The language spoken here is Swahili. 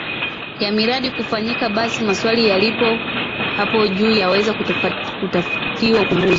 ya miradi kufanyika basi maswali yaliopo hapo juu yaweze kutafutiwa ufumbuzi